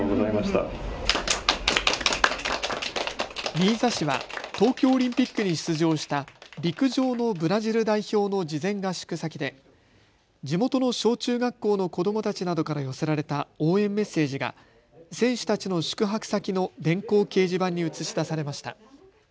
新座市は東京オリンピックに出場した陸上のブラジル代表の事前合宿先で地元の小中学校の子どもたちなどから寄せられた応援メッセージが選手たちの宿泊先の電光掲示板に映し出されました。